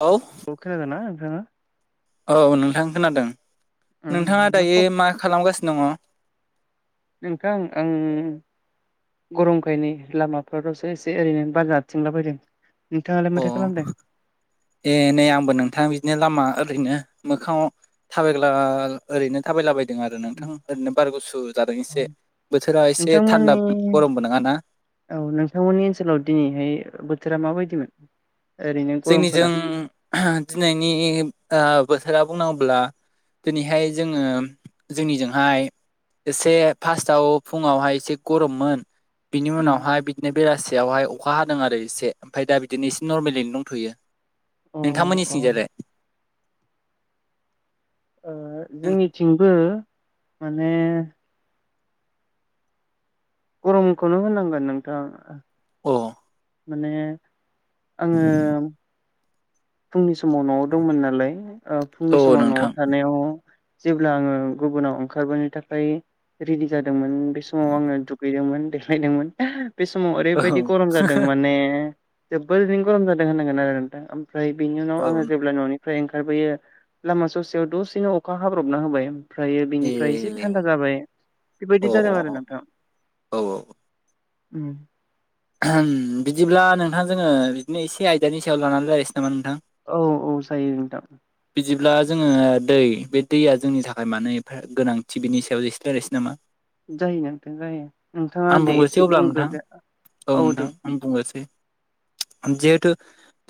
औ औ खोनादों ना नोंथाङा औ नोंथां खोनादों ओम नोंथाङा दायो खब मा खालामगासिनो दङ नोंथां आं गरमखाय नै लामाफोराव दसे एसे ओरैनो बार जाथिंला बायदों नोंथाङालाय अ माथो खालामदों ए नै आंबो नोंथां बिदिनो लामा ओरैनो मोखाङाव थाबायग्ला ओरैनो थाबायला बायदों आरो नोंथां ओरैनो बार गुसु जादों एसे बोथोरा एसे थानदा नोंथांमोननि गरमबो नोङा ना औ नोंथांमोननि ओनसोलाव दिनैहाय बोथोरा माबायदिमोन ओरैनो गरमफोरा जोंनिजों दिनैनि ओ बोथोरा बुंनांगौब्ला दिनैहाय जोङो जोंनिजोंहाय एसे फार्स्टआव फुङावहाय एसे गरममोन बिनि ओम उनावहाय बिदिनो बेलासियावहाय अखा हादों आरो एसे ओमफाय दा बिदिनो एसे नरमेलि दं थ'यो अ नोंथांमोननि अ ओ थिंजायलाय जोंनिथिंबो माने गरमखौनो होननांगोन नोंथां अ माने आङो फुंनि समाव न'आव दंमोन नालाय ओ औ फुंनि समाव न'आव नोंथां थानायाव जेब्ला आङो गुबुनाव ओंखारबोनो थाखाय रेडि जादोंमोन बे समाव आङो दुगैदोंमोन देखायदोंमोन बे समाव औ ओरैबायदि गरम जादों माने जोबोर बिदिनो गरम जादों होननांगोन आरो नोंथां ओमफ्राय बिनि उनाव औ आङो जेब्ला न'नि फ्राय ओंखारबोयो लामा ससेयाव दसेनो अखा हाब्रबना होबाय ओमफ्रायो बेनिफ्राय एसे ए थान्दा जाबाय अ बेबायदि जादों आरो नोंथां औ औ उम बिदिब्ला नोंथां जोङो बिदिनो एसे आयदानि सायाव लानानै रायलायसै नामा नोंथां औ औ जायो नोंथां बिदिब्ला जोङो दै बे दैया जोंनि थाखाय मानो एफा गोनांथि बिनि सायाव एसे रायलायसै नामा जायो नोंथां जायो नोंथाङा आं दे बुंग्रोसै एसे अब्ला नोंथां बुंग्रोदो औ नोंथां आं बुंग्रोनसै जिहेथु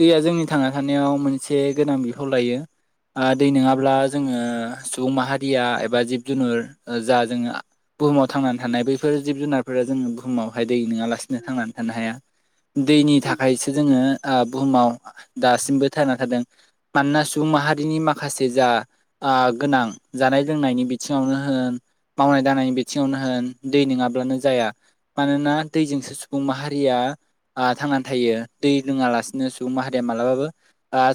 दैया जोंनि थांना थानायाव मोनसे गोनां बिफाव लायो दै नङाब्ला जोङो सुबुं माहारिया एबा जिब जुनुर जा जोङो आ बुहुमाव थांनानै थानाय बैफोर जिब जुनारफोरा जोङो बुहुमावहाय दै नङालासिनो थांनानै थानो हाया। दैनि उम थाखायसो जोङो ओ बुहुमाव दासिमबो थांना थादों मानोना सुबुं माहारिनि माखासे जा ओ गोनां जानाय लोंनायनि बिथिङावनो होन मावनाय दांनि बिथिङावनो होन दै नङाब्लानो जाया मानोना दैजोंसो सु बुं माहारिया थांनानै थायो दै लोङालासिनो सुबुं माहारिया मालाबाबो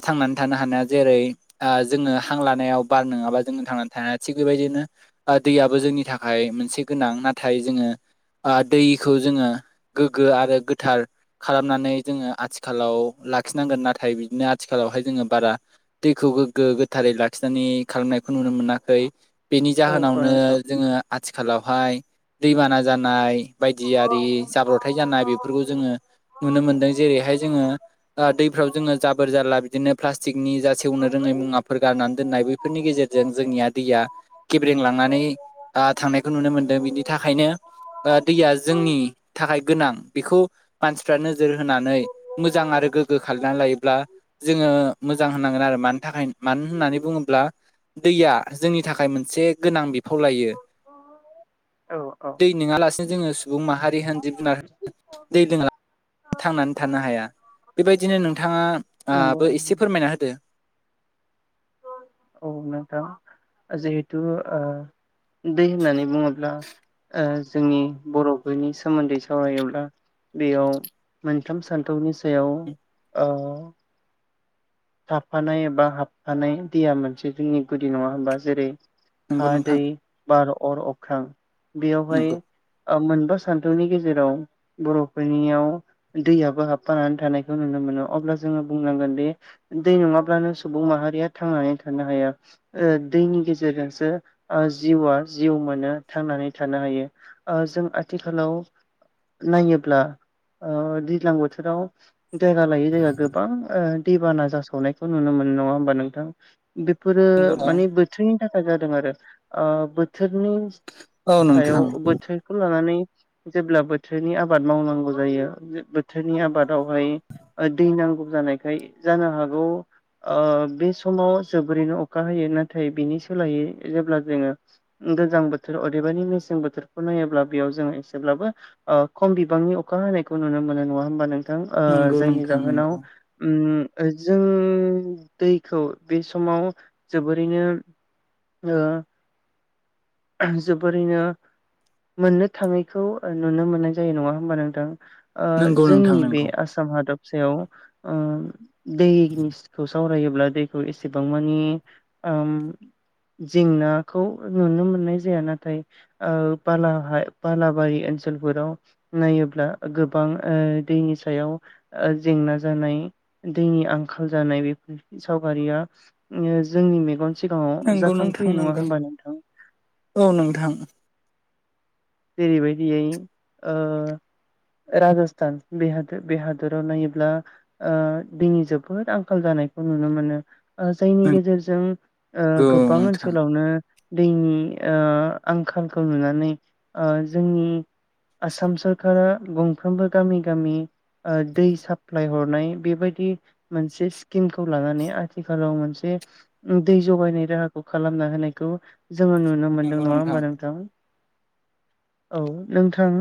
थांनानै थानो हानाया जेरै दा जोङो हां लानायाव बार नोङाबा जोंङो थांनानै थानो हायि थिग बेबायदिनो दैयाबो जोंनि थाखाय मोनसे गोनां नाथाय जोङो दैखौ जोङो गोगो आरो गोथार खालामनानै जोङो आथिखालाव लाखिनांगोन नाथाय बिदिनो आथिखालावहाय जोङो बारा दैखौ गोग्गो गोथारै लाखिनानै खालामनायखौ नुनो मोनाखै। बेनि औ औ जाहोनावनो नोंथां जोङो आथिखालावहाय दैबाना जानाय बायदिआरि जाब्रथाय जानाय बेफोरखौ जोङो नुनो मोनदों। जेरैहाय जोङो दैफ्राव जोङो जाबोर जाला बिदिनो प्लास्टिकनि जा सेवनो रोङै मुवाफोरखौ गारनानै दोननाय बेफोरनि गेजेरजों जोंनिया दैया गेब्रें लांनानै थांनायखौ नुनो मोनदों बिनि थाखायनो दैया जोंनि थाखाय गोनां बेखौ मानसिफ्रा नोजोर होनानै मोजां आरो गोग्गो खालामनानै लायोब्ला जोङो मोजां होनांगोन आरो मानि थाखाय मानो होननानै बुङोब्ला दैया जोंनि थाखाय मोनसे गोनां बिफाव लायो औ औ दै नङालासिनो जोङो सुबुं माहारि होन‌ जिब जुनार होन दै लोंला थांनानै थानो हाया बेबायदिनो नंगौ नोंथांङाबो एसे फोरमायना होदो। औ नोंथां जिहेथु दै होननानै बुंङोब्ला जोंनि बर'फोरनि सोमोन्दै सावरायोब्ला बेयाव मोनथाम सानथौनि सायाव औ थाफानाय एबा हाबफानाय दैया मोनसे जोंनि गुदि नङा होनबा जेरै नंगौ हा नोंथां दै बार अर अख्रां बेयावहाय नंगौ ओ मोनबा सान्थौनि गेजेराव बर'फोरनियाव दैयाबो हाबफानानै थानायखौ नुनो मोनो अब्ला जोंङो बुंनांगोन दि दै नङाब्लानो सुबुं माहारिया थांनानै थानो हाया। दैनि गेजेरजोंसो जिउआ जिउ मोनो थांनानै थानो हायो। जों आथिखालाव नायोब्ला दैज्लां बोथोराव जायगा लायै जायगा गोबां दैबाना जा सनाय नुनो मोनो नंङा होमबा नोंथां बेफोरो माने बोथोरनि थाखाय जादों आरो बोथोरनि औ सायाव नोंथां बोथोरखौ लानानै जेब्ला बोथोरनि आबाद मावनांगौ जायो बोथोरनि आबादावहाय दै नांगौ जानायखाय जानो हागोन [inaudible] ओ बे समाव जोबोरैनो अखा हयो नाथाय बिनि सोलायै जेब्ला जोंङो गोजां बोथोर अदेबानि मेसें बोथोरखौ नायोब्ला बेयाव जोंङो एसेब्लाबो खम बिबांनि अखा हानायखौ नुनो मोनो नंङा होमबा नोंथां नंगौ जायनि नोंथां जाहोनाव नंगौ उम जों दैखौ बे समाव जोबोरैनो ओ जोबोरैनो मोननो थाङैखौ नुनो मोननाय जायो नङा होमबा नोंथां? ओ नंगौ नोंथां जोंनि बे नंगौ आसाम आसाम हादबसायाव दैनिखौ सावरायोब्ला दै एसेबां मानि जेंनाखौ नुनो मोनो। नाय जाया नाथाया बालाबारि ओनसोलफोराव नायोब्ला गोबां दैनि सायाव ओ जेंना जानाय दैनि आंखाल जानाय बेफोर सावगारिया जोंनि मेगन सिगाङाव नंगौ नोंथां जाखांफैयो नङा नंगौ होमबा नोंथां औ नोंथां जेरैबायदियै ओ राजस्थान बे हादर बे हादराव नायोब्ला दैनि जोबोद आंखाल जानायखौ नुनो मोनो ओ जायनि गेजेरजों नंगौ गोबां नोंथां ओनसोलावनो दैनि आंखालखौ नुनानै जोंनि आसाम सरका गंफ्रोमबो गामि गामि दै साप्लाय हरनाय बेबायदि मोनसे स्किमखौ लानानै आथिखालाव मोनसे दै जगायनाय राहाखौ खालामना होनायखौ जोंङो नुनो मोनदों नङा होमबा नोंथां औ नोंथां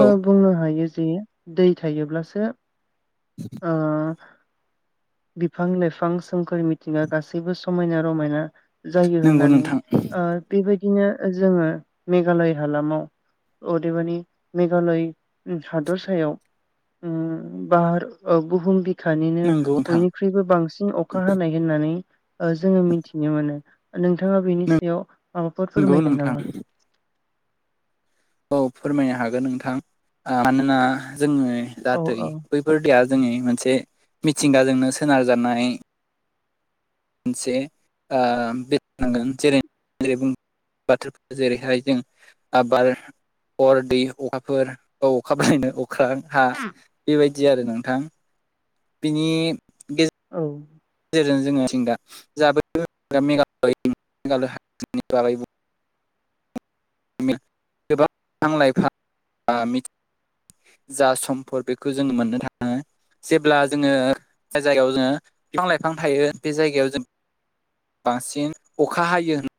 औ बुंनो हायो जे दै थायोब्लासो ओ बिफां लाइफां सोमखोर मिथिंगा गासैबो समायना रमायना जायो नंगौ होननानै नोंथां बेबायदिनो जोंङो मेघालय हालामाव अदेबानि मेघालय हादर सायाव ओम बार बुहुम बि खानिनो नंगौ नोंथां बयनिख्रुइबो बांसिन अखा हानाय होननानै जोंङो मिथिनो मोनो नोंथाङा बेनि सायाव माबाफोर नंगौ फोरमायगोन नोंथां नामा? औ फोरमायनो हागोन नोंथां मानोना जोङो औ जाहाथे औ बै बेफोरदिया जोंनि मोनसे मिथिंगाजोंनो सोनारजानाय मोनसे बुंनागोन जेरै जेरै बाथौ जेरैहाय जों आ बार अर दै अखाफोर औ अखाफोरलायनो औ अख्रां हा बेबायदि आरो नोंथां बिनि औ गेजेरजों जोङों दा जाबो मेघाल मेघाल हादारसानि बागै बुङोबा गोबां बिफां लाइफां मिथि जा सम्फद बेखौ जोङो मोननो थाङो जेब्ला जोङो जाय जायगायाव जोङो बिफां लाइफां थायो बे जायगायाव जों बांसिन अखा हायो होनना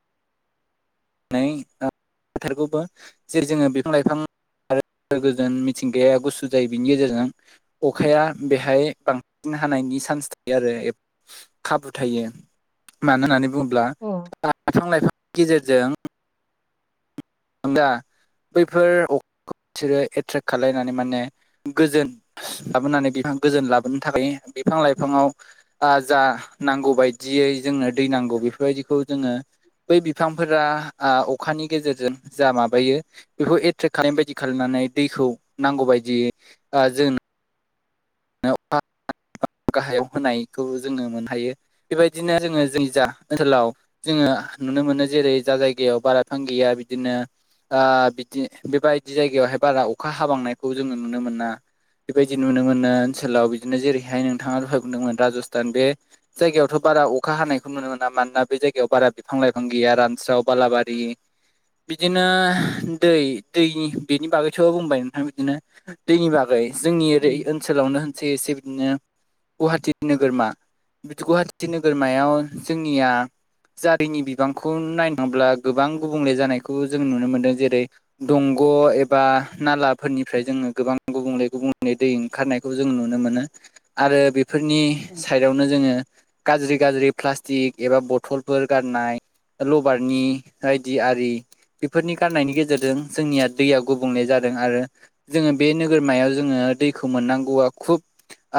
[unintelligible] नायनानै बोथोरखौबो जेरै जोङो बिफां लाइफां आरो गोजोन मिथिंगाया गुसु जायो बिनि गेजेरजों अखाया बेहाय बांसिन हानायनि सान्स थायो आरो खाबु थायो मानो होननानै बुङोब्ला औ बिफां लाइफांनि गेजेरजों दा बैफोर अखाखौ बिसोरो एट्रेक्ट खालायनानै माने गोजोन लाबोनानै बिफां गोजोन लाबोनो थाखाय बिफां लाइफाङाव जा नांगौ बायदियै जोंनो दै नांगौ बेफोरबायदिखौ जोङो बै बिफांफोरा अखानि गेजेरजों जा माबायो बेखौ एट्रेक्ट खालामनाय बायदि खालामनानै दैखौ नांगौ बायदियै जों अखा गाहायाव होनायखौबो जोङो मोननो हायो बेबायदिनो जोङो जोंनि जा ओनसोलाव जोङो नुनो मोनो जेरै जा जायगायाव बारा बिफां गैया बिदिनो बिदि बेबायदि जायगायावहाय बारा अखा हाबांनायखौ जोङो नुनो मोना बेबायदि नुनो मोनो ओनसोलाव बिदिनो जेरैहाय नोंथाङा दहाय बुंदोंमोन राजस्थान बे जायगायावथ' बारा अखा हानायखौ नुनो मोना मानोना बे जायगायाव बारा बिफां लाइफां गैया रानस्राव बालाबारि बिदिनो दै दैनि बेनि बागैथ' बुंबाय नोंथां बिदिनो दैनि बागै जोंनि ओरै ओनसोलावनो होनसै एसे बिदिनो गुहाटि नोगोरमा। गुवाहाटि नोगोरमायाव जोंनिया जारिनि बिबांखौ नायनो थांब्ला गोबां गुबुंले जानायखौ जों नुनो मोनदों। जेरै दंग' एबा नालाफोरनिफ्राय जोङो गोबां गुबुंले गुबुंले दै ओंखारनाय खौ जों नुनो मोनो आरो बेफोरनि [inaudible] बेयावनो जोङो गाज्रि गाज्रि प्लास्टिक एबा बथलफोर गारनाय। लबारनि बायदि आरि। बेफोरनि गारनायनि गेजेरजों जोंनिया दैया गुबुंले जादों आरो जोङो बे नोगोरमायाव जोङो दैखौ मोननां आ खुब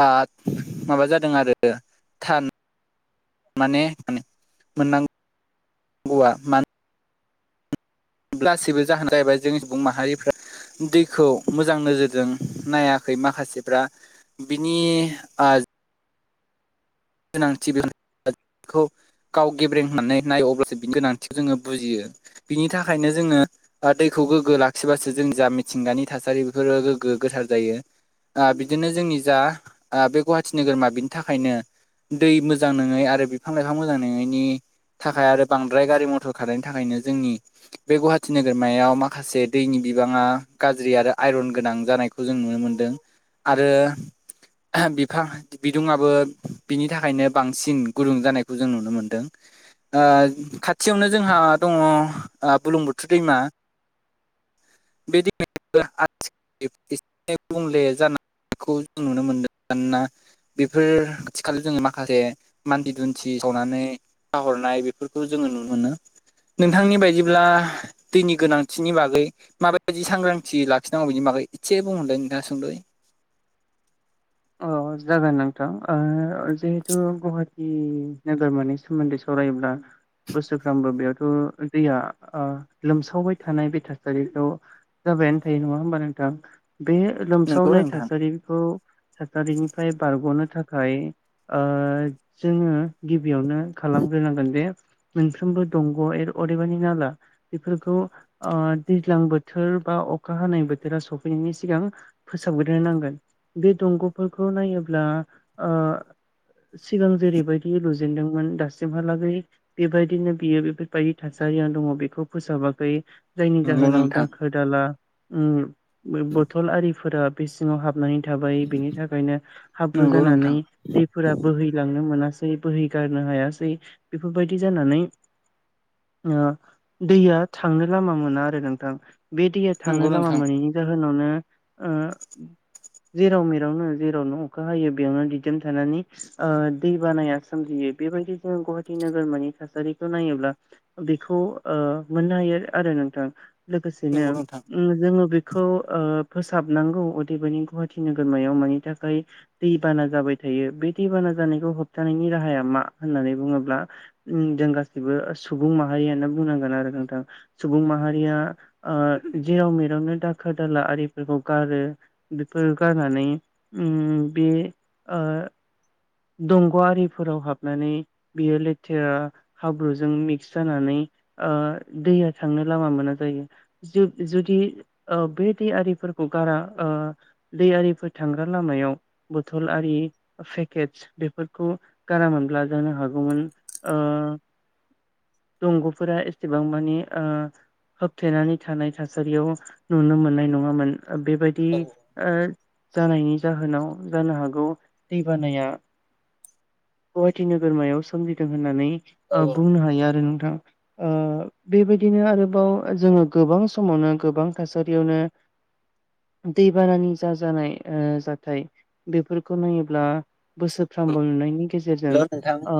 ओ माबा जादों आरो माने मोननांगुवा गासैबो जाहोना जाहैबाय जोंनि सुबुं माहारिफ्रा दैखौ मोजां नोजोरजों नायाखै माखासेफ्रा बिनि ओ गोनांथि बेखौ गाव गेब्रें होननानै नायो अब्लासो बिनि गोनांथिखौ जोङो बुजियो। बिनि थाखायनो जोङो ओ दैखौ गोग्गो लाखिबासो जों जा मिथिंगानि थासारि बेफोरो गोग्गो गोथार जायो। ओ बिदिनो जोंनि जा बे गुवाहाटि नोगोरमा बिनि थाखायनो दै मोजां नोङै आरो बिफां लाइफां मोजां नोङैनि थाखाय आरो बांद्राय गारि मथर खारैनि थाखायनो जोंनि बे गुवाहाटि नोगोरमायाव माखासे दैनि बिबाङा गाज्रि आरो आइरन गोनां जानायखौ खौ जों नुनो मोनदों। आरो बिफां बिदुंआबो बिनि थाखायनो बांसिन गुुरुं जानायखौ जों नुनो मोन्दों ओ खाथियावनो जोंहा दङ'। ओ बुरलुं बुथुर दैमा [unintelligible] एसे गुबुंले जालांनायखौ जों नुनो मोनदों [unintelligible] बेफोर खाथि खाला जोङो माखासे मानसि दुमसि सावनानै गारहरनाय बेफोरखौ जोङो नुनो मोनो। नोंथांनि बायदिब्ला दैनि गोनांथिनि बागै माबायदि सांग्रांथि लाखिनांगौ बिनि बागै एसे बुंहरदों नोंथाङा सुंदयै। अ जागोन नोंथां ओ जिहेथु गुवाहाटि नोगोरमानि सोमोन्दै सावरायोब्ला बोसोरफ्रामबो बेयावथ' दैया ओ लोमसावबाय थानाय बे थासारिखौ जाबायानो थायो नङा होमबा नोंथां बे नंगौ लोमसावनाय नोंथां थासारिखौ थासारिनिफ्राय बारग'नो थाखाय जोङो ओ गिबियावनो खालामग्रोनांगोन जे मोनफ्रोमबो दंग' ए अदेबानि नाला बेफोरखौ ओ दैज्लां बोथोर बा अखा हानाय बोथोरा सफैनायनि सिगां फोसाबग्रोनो नांगोन। बे दंग'फोरखौ नायोब्ला ओ सिगां जेरैबायदि लुजेनदोंमोन। दासिमहालागै बेबायदिनो बियो बेफोरबायदि थासारिया दङ'। बेखौ फोसाबाखै जायनि नंगौ जाहोनाव नोंथां दाखोर दाला उम बे बथल आरिफोरा बे सिङाव हाबनानै थाबाय बेनि थाखायनो हाब्रु नंगौ जानानै नोंथां दैफोरा बोहैलांनो मोनासै बोहै गारनो हायासै बेफोरबायदि जानानै ओ दैया थांनो लामा मोना आरो नोंथां बे दैया थांनो नंगौ लामा नोंथां मोनैनि जाहोनावनो ओ जेराव मेर नो जेरावनो अखा हायो बेयावनो दिदोम थानानै ओ दै बानाया सोमजियो। बेबायदि जाहोनखौहाय नोगोरमानि थासारिखौ नायोब्ला बेखौ ओ मोननो हायो आरो नोंथां लोगोसेनो नंगौ नोंथां जोङो उम बेखौ फोसाबनांगौ अदेबानि गुवाहाटि नो नोगोरमायाव मानि थाखाय दैबाना जाबाय थायो बे दैबाना जानायखौ होबथानायनि राहाया मा होननानै बुङोब्ला जों गासैबो सुबुं माहारियानो बुंनांगोन आरो नोंथां सुबुं नंगौ नोंथां माहारिया ओ जेराव मेरावनो दाखोर दाला आरिफोरखौ गारो बेफोर गारनानै बे ओ दंग' आरिफोराव हाबनानै बियो लेथेरा हाब्रुजों मिक्स जानानै ओ दैया थांनो लामा मोना जायो जुदि ओ बे दैयारिफोरखौ गारा ओ दै आरिफोर थांग्रा लामायाव बथल आरि फे केटस बेफोरखौ गारामोनब्ला जानो हागौमोन ओ दंग'फोरा एसेबां मानि ओ होबथेनानै थानाय थासारियाव नुनो मोननाय नङामोन बेबायदि दि औ ओ जानायनि जाहोनाव जानो हागौ बानाया गुवाहाटि नोगोरमायाव सोमजिदों होननानै औ औ बुंनो हायो आरो नोंथां ओ बेबायदिनो आरोबाव जोङो गोबां समावनो गोबां थासारियावनो दैबानानि जा ओ जानाय जाथाय बेफोरखौ नायोब्ला बोसोरफ्रामबो नुनायनि गेजेरजों हेलौ नोंथां ओ